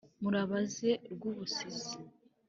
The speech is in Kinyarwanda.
murabaze rwubusisi